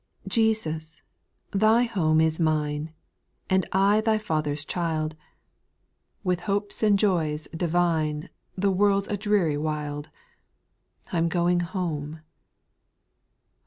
2. Jesus, Thy home is mine, And I Thy Father's child ; SPIRITUAL S0NQ8. 847 With hopes and joys divine, The world *s a dreary wild. I 'm going home.